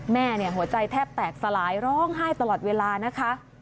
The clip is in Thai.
แม่หัวใจแทบแตกสลายร้องไห้ตลอดเวลานะคะ